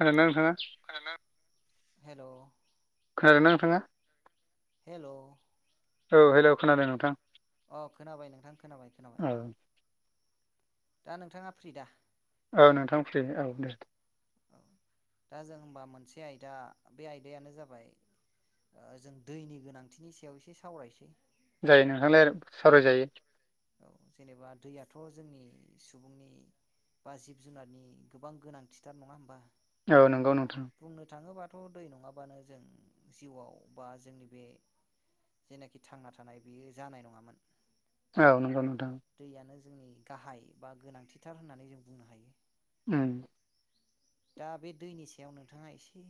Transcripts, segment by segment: खोनादोंदा नोंथाङा हेल' खोनादोंना नोंथाङा हेल' औ हेल' खोनादों नोंथां अ खोनाबाय नोंथां खोनाबाय खोनाबाय औ दा नोंथाङा फ्रि दा औ नोंथां फ्रि औ दे औ दा जों होमबा मोनसे आयदा बे आयदायानो जाबाय जों दैनि गोनांथिनि सायाव एसे सावरायसै जायो नोंथां रायलाय सावराय जायो औ जेनेबा दैयाथ' जोंनि सुबुंनि बा जिब जुनारनि गोबां गोनांथिथार नङा होमबा औ नंगौ नोंथां थ' दै नङाबानो जों जिउआव बा जोंनि बे जेनाखि थांना थानाय बेयो जानाय नङामोन औ नंगौ नोंथां दैयानो जोंनि गाहाय बा गोनांथिथार होननानै जों बुंनो हायो उ दा बे दैनि सायाव नोंथाङा एसे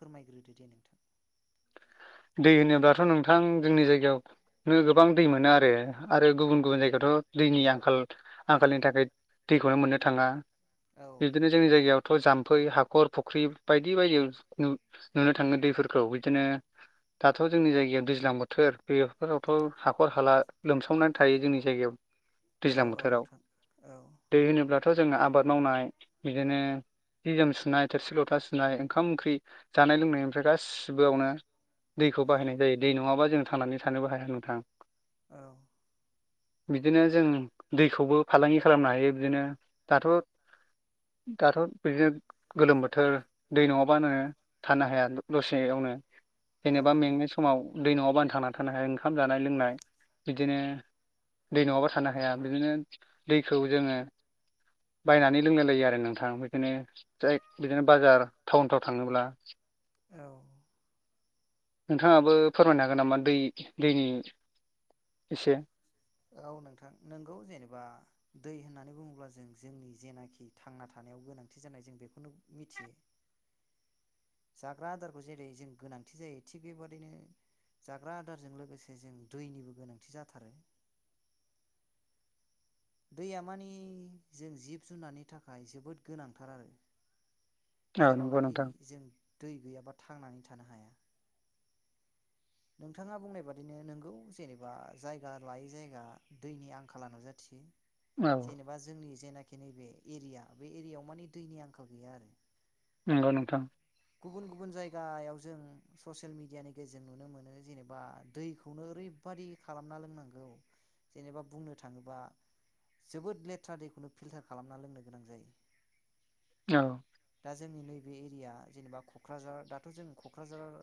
फोरमायग्रोदो दे नोंथां दै होनोब्लाथ' नोंथां जोंनि जायगायावनो गोबां दै मोनो आरो आरो गुबुन गुबुन जायगायावथ' दै नि आंखाल आंखालनि थाखाय दैखौहाय मोननो थाङा औ बिदिनो जोंनि जायगायाव थ' जामफै हाखर फुख्रि बायदि बायदियाव नुनो थाङो दैफोरखौ बिदिनो दाथ' जोंनि जायगायाव दैज्लां बोथोर बेफोरावथ' हाखर हाला लोमसावनानै थायो जोंनि जायगायाव औ दैज्लां औ बोथोराव नोंथां औ दै होनोब्लाथ' जोङो आबाद मावनाय बिदिनो जि जोम सुनाय थोरसि लथा सुनाय ओंखाम ओंख्रि जानाय लोंनायनिफ्राय गासिबोयावनो दैखौ औ बाहायनाय जायो दै नङाबा जों थांनानै थानोबो हाया नोंथां औ बिदिनो जों दैखौबो फालांगि खालामनो हायो बिदिनो दाथ' दाथ' बिदिनो गोलोम बोथोर दै नङाबानो थानो हाया दसे नो औ जेनेबा मेंनाय समाव दै नङाबानो थांना थानो हाया ओंखाम जानाय लोंनाय बिदिनो दै नङाबा थानो औ हाया बिदिनो दैखौ जोङो बायनानै लोंलायलायो आरो नोंथां बिदिनो जाय बिदिनो बाजार टाउनफ्राव थाङोब्ला औ नोंथाङाबो फोरमायनो हागोन नामा दै दैनि एसे औ नोंथां नोंगौ जेनेबा दै होननानै बुङोब्ला जों जोंनि जेनाखि थांना थानो याव गोनांथि जानाय जों बेखौनो मिथियो। जाग्रा आदारखौ जेरै जों गोनांथि जायो थिग बेबादिनो। जाग्रा आदारजों लोगोसे जों दैनिबो गोनांथि जाथारो। दैया मानि जों जिब जुनारनि थाखाय जोबोद गोनांथार आरो औ नंगौ जेरावनाखि नोंथां जों दै गैयाबा थांनानै थानो हाया। नोंथाङा बुंनाय बादिनो नोंगौ जेनेबा जायगा लायै जायगा दैनि आंखाला नुजाथियो। औ जेनेबा जोंनि जेनाखि नैबे एरिया बे एरियायाव माने दैनि आंखाल गैया आरो। नंगौ नोंथां। गुबुन गुबुन जायगायाव जों ससियेल मिडियानि गेजेरजों नुनो मोनो जेनेबा दैखौनो ओरै बादि खालामना लोंनांगो जेनेबा बुंनो थाङोबा जोबोद लेथ्रा दैखौनो फिल्टार खालामना लोंनो गोनां जायो औ। दा जोंनि नैबे एरिया जेनेबा क'क्राझार दाथ' जों क'क्राझार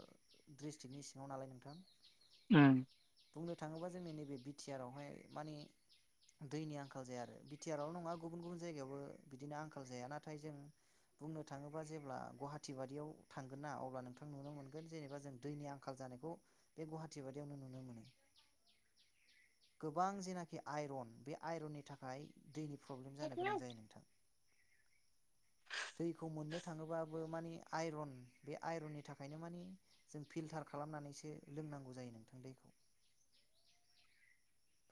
डिस्ट्रिकनि सिङाव नालाय नोंथां [unintelligible] उम बुंनो थाङोबा जोंनि नैबे बि टि आर आवहाय माने दैनि आं खाल जाया आरो बि टि आर आवल नङा गुबुन गुबुन जायगायावबो बिदिनो आंखाल जाया नाथाय जों बुंनो थाङोबा जेब्ला गुवाहाटि बादियाव थांगोन ना अब्ला नोंथां नुनो मोनगोन जेनेबा जों दैनि आंखाल जा। जानायखौ बे गुवाहाटि बादियावनो नुनो मोनो। गोबां जेनाखि आइरन बे आइरननि थाखाय दैनि प्रब्लेम जानो गोनां जायो नोंथां दैखौ मोननो थाङोबाबो माने। आइरन बे आइरननि थाखायनो माने जों फिल्टार खालामनानैसो लोंनांगौ जायो नोंथां दै।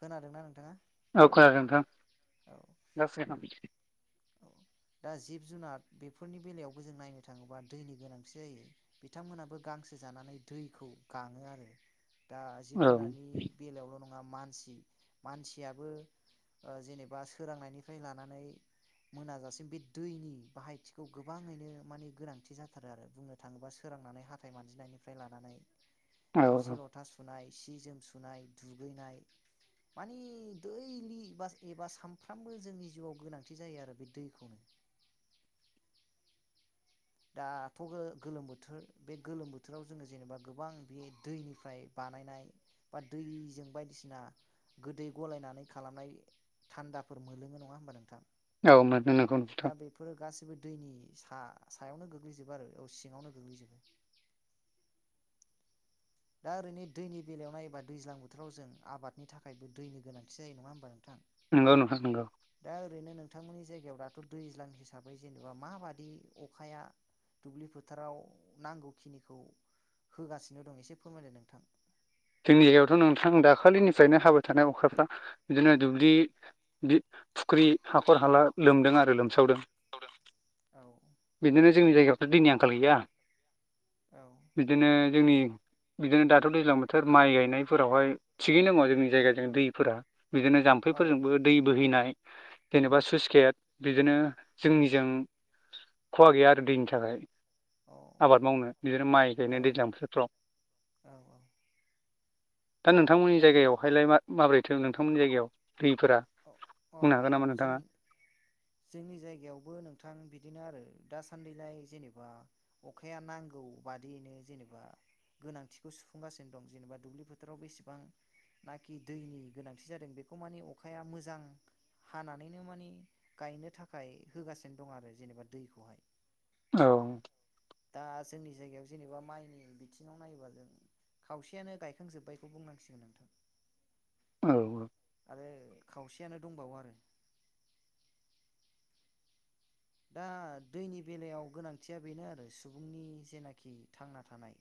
खोनादोंना नोंथाङा। औ खोनादों नोंथां औ जासिगोन ओं। [inaudible] दा जिब जुनार बेफोरनि बेलायावबो जों नायनो थाङोबा दैनि गोनांथि जायो बिथांमोनाबो गां सो जानानै दैखौ गाङो आरो दा औ जिब जुनारनि बेलायावल' नं ङा मानसि मानसियाबो जेनेबा सोरोंनायनिफ्राय लानानै। मोनाजासिम बे दैनि बाहायथिखौ गोबाङैनो माने गोनांथि जाथारो आरो बुंनो थाङोबा। सोरांनानै हाथाय मानजिनायनिफ्राय लानानै औ थोरसि लथा सुनाय। सि जोम सुनाय दुगैनाय मानि दैलि एबा एबा सानफ्रामबो जोंनि जिउआव गोनां थि जायो आरो बे दैखौ दाथ' गो गोलोम बोथोर बे गोलोम बोथोराव जोङो जेनेबा गोबां बे दैनिफ्राय बा बानायनाय बा दैजों बायदिसिना। गोदै गलायनानै खालामनाय थान्दाफोर मोनलोङो नङा होमबा नोंथां। औ मोनो नंगौ नोंथां दा बेफोरो गासैबो दैनि सा। सायावनो गोग्लैजोबो आरो औ सिङावनो गोग्लैजोबो दा ओरैनो दैनि बेलायाव नायोबा दैज्लां बोथोराव जों आबादनि थाखायबो दैनि गोनांथि जायो नङा होमबा। थां नंगौ नोंथां नंगौ दा ओरैनो नोंथांमोननि जायगायाव दाथ' दैज्लां हिसाबै जेनेबा माबादि अखाया दुब्लि फोथाराव नांगौखिनिखौ होगासिनो दं एसे फोरमायलाय नोंथां। जोंनि जायगायावथ' नोंथां दाखालिनिफ्रायनो हाबाय थानाय अखाफ्रा बिदिनो दुब्लि दि। फुख्रि हाखर फुख्रि हाला हाखर लोमदों आरो लोमसावदों औ बिदिनो। जोंनि जायगायावथ' दैनि आंखाल गैया औ बिदिनो जोंनि बिदिनो दाथ' दैज्लां बो। थोर माइ गायनायफोरावहाय थिगैनो दङा जोंनि जायगाजों दैफोरा। बिदिनो औ जाम्फैफोरजोंबो दै बोहैनाय जेनेबा सुइस गेट बिदिनो जोंनिजों खहा गैया आरो दैनि थाखाय। औ आबाद मावनो बिदिनो माइ औ गायनाय दैज्लां बोथोरफ्राव दा नोंथांमोननि औ अ जायगायावहायलाय मा माबोरैथो नोंथांमोननि जायगायावयंत रय यंतंत औ औ औ जोंनि जोंनि जायगायावबो नोंथां बिदिनो आरोय दासान्दिलाय जेनेबा अखाया नांगौ बादियैनो जेनेबा गोनांथिखौ सुफुंगासिनो दं जेनेबा दुब्लि फोथाराव बेसेबां नाखि दैनि गोनांथि जादों बेखौ माने अखाया मोजां हानानैनो मानि गायनो थाखाय होगासिनो दं आरो जेनेबा दैखौहाय औ दा जोंनि जायगायाव जेनेबा माइनि बिथिङाव नायोबा जों खावसेयानो गायखांजोब्बायखौ बुंनांऊसिगोन नोंथां औ औ आरो खावसेयानो दंबावो आरो दा दैनि बेलायाव गोनांथिया बेनो आरो सुबुंनि जेनाखि थांना थानाय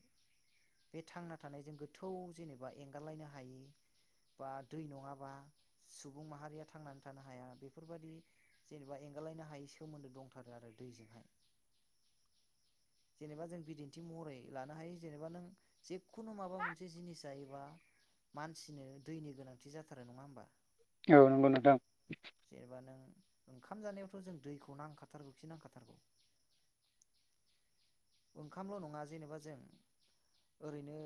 बे थांना थानायजों गोथौ जेनेबा एंगारलायनो हायि बा दै नङाबा सुबुं माहारिया थांनानै थानो हाया बेफोरबायदि जेनेबा एंगारालायनो हायै सोमोन्दो दंथारो आरो दैजोंहाय जेनेबा जों बिदिन्थि महरै लानो हायो जेनेबा नों जेखुनु माबा मोनसे जिनिस जायोबा मानसिनो दैनि गोनांथि जाथारो नङा होमबा? औ नंगौ नोंथां जेनेबा नों ओंखाम जानायावथ' जों दैखौ नांखाथारगौखि नांखाथारगौ ओंखामल' नङा जेनेबा जों ओरैनो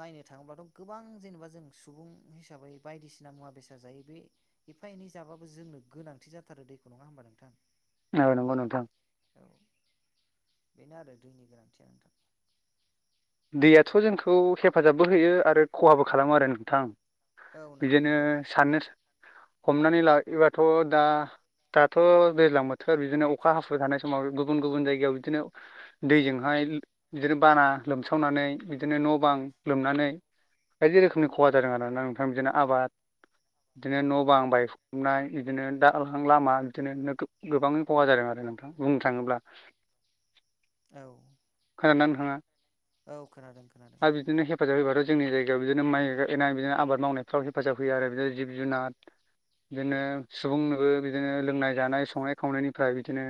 नायनो थाङोब्लाथ' गोबां जेनेबा जों सुबुं हिसाबै बायदिसिना मुवा बेसाद जायो बे एफा एनै जाबाबो जोंनो गोनांथि जाथारो दैखौ नङा होमबा नोंथां औ नंगौ नोंथां। औ बेनो आरो दैनि गोनांथिया नोंथां दैयाथ' जोंखौ हेफाजाबबो होयो आरो खहाबो खालामो आरो नोंथां औ नंगौ बिदिनो नंगौ साननो हमनानै लायोबाथ' दा दाथ' दैज्लां बोथोर बिदिनो अखा हाखु थानाय समाव गुबुन गुबुन जायगायाव बिदिनो दैजोंहाय बिदिनो बाना लोमसावनानै बिदिनो न'बां लोमनानै बायदि रोखोमनि खहा जादों आरोना नोंथां बिदिनो आबाद बिदिनो न' बां बायफुमनाय बिदिनो दहां लामा बिदिनो गोबाङै खहा जादों आरो नोंथां बुंनो थाङोब्ला औ फोराननानै थाङा औ खोनादों खोनादों आरो बिदिनो हेफाजाब होबाथाय जोंनि जायगायाव बिदिनो माइ एनाय बिदिनो आबाद मावनायफ्राव हेफाजाब होयो आरो बिदिनो जिब जुनार बिदिनो सुबुंनोबो बिदिनो लोंनाय जानाय संनाय खावनायनिफ्राय बिदिनो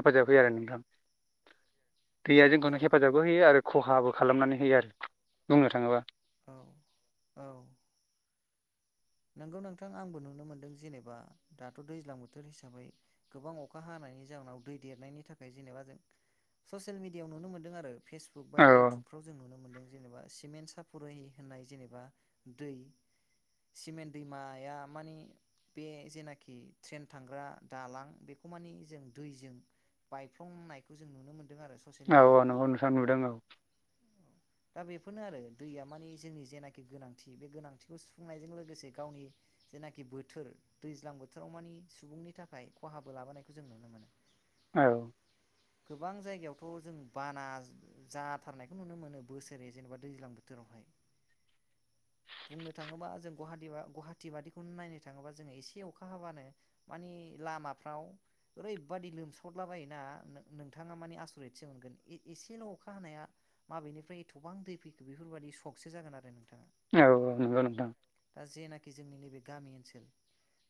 हेफाजाब होयो आरो [inaudible] [inaudible] दैया औ जोंखौनो हेफाजाबबो होयो आरो खहाबो खालामनानै होयो आरो बुंनो थाङोब्ला औ औ नोंगौ नोंथां आंबो नुनो मोन्दों जेनेबा दाथ' दैज्लां बोथोर हिसाबै गोबां अखा हानाय नि जाहोनाव दै देरनायनि थाखाय जेनेबा जों ससियेल मिडियाव नुनो मोनदों आरो फेसबुक बा औ इउटुबफ्राव जों नुनो मोनदों। जेनेबा सिमेन्ट सापुरै होननाय जेनेबा दै सिमेन्ट दैमाया मानि बे जेनाखि ट्रेन थांग्रा दालां बेखौ मानि जों दैजों बायफ्लंनायखौ जों नुनो मोन औ औ नंगौ नोंथां नुदों आं दा बेफोरनो आरो दैया मानिे जोंनि जेनाखि गोनांथि बे गोनांथिखौ सुफुंनायजों लोगोसे गावनि जेनाखि बोथोर दैज्लां बोथोराव मानि सुबुंनि थाखाय खहाबो लाबोनायखौ जों नुनो मोनो। औ गोबां जायगायावथ' जों बाना जाथारनायखौ नुनो मोनो बोसोरे जेनेबा दैज्लां बोथोरावहाय बुंनो थाङोबा जों गुवाहाटि गुवाहाटि बादिखौनो नायनो थाङोबा जोङो एसे अखा हाबानो मानि लामाफ्राव ओरैबादि लोमसावला बायोना नोंथाङा माने आसरितसो मोनगोन एसेल' अखा हानाया माबेनिफ्राय एथ'बां दै फैखो बेफोरबायदि सकसो जागोन आरो नोंथाङा औ औ नंगौ नोंथां दा जेनाखि जोंनि नैबे गामि ओनसोल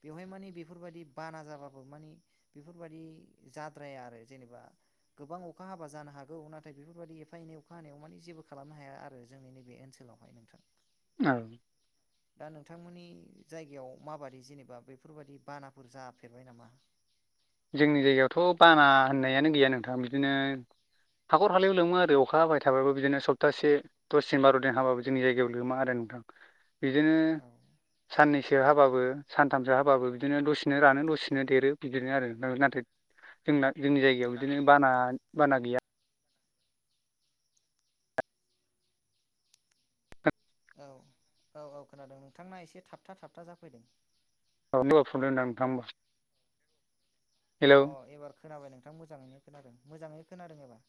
बेवहाय मानि बेफोर बायदि बाना जाबाबो मानि बेफोर बायदि जाद्राया आरो जेनेबा गोबां अखा हाबा जानो हागौ नाथाय बेफोर बायदि एफा एनै अखा हानायाव मानि जेबो खालामनो हाया आरो जोंनि नैबे ओनसोलावहाय नोंथां। औ दा नोंथांमोननि जायगायाव माबादि जेनेबा बेफोरबायदि बानाफोर जाफेरबाय नामा? जोंनि जायगायावथ' बाना होननायानो गैया नोंथां बिदिनो हाखर हालायाव लोमो आरो अखा हाबाय थाबाबो बिदिनो सप्तासे दस दिन बार' दिन हाबो जोंनि जायगायाव लोमा आरो नो थां बिदिनो औ साननैसो सो हाबाबो सानथामसो हाबाबो बिदिनो दसेनो रानो दसिनो देरो बिदिनो आरो नाथाय जोंना जोंनि जायगायाव बिदिनो बाना बाना गैया औ औ औ खोनादों नोंथांना एसे थाबथा थाबथा जाफैदों औ [unintelligible] अ अ एबार खोनाबाय नोंथां मोजाङैनो खोनादों मोजाङैनो खोनादों एबार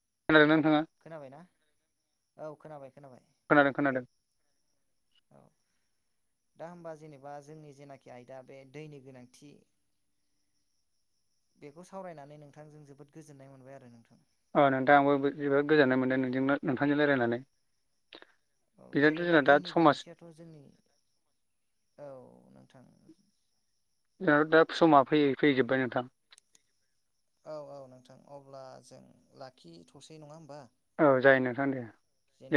[unintelligible] खोनाबायना औ खोनाबाय खोनाबाय खोनादों खोनादों औ दा होमबा जेनेबा जोंनि जेनाखि आयदा बे दैनि गोनांथि बेखौ सावरायनानै नोंथांजों जोबोद गोजोननाय मोनबाय आरो नोंथां ओ थांजों रायलायनानै औ जेनेबा दैनि गोनांथियाथ' जोंनि औ नोंथां जोंना दा समा फैयै फैयै जोबबाय नोंथां। औ औ नोंथां अब्ला जों लाखिथ'सै नङा होमबा। औ जायो नोंथां दे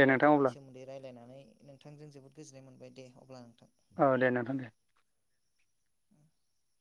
दे नोंथां दैनि अब्ला। सोमोन्दै रायलायनानै नोंथांजों जोबोद गोजोननाय मोनबाय दे अब्ला नोंथां। औ दे नोंथां दे। [inaudible]